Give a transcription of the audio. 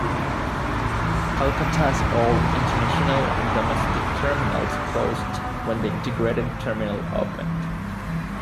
Kolkata's old international and domestic terminals closed when the integrated terminal opened.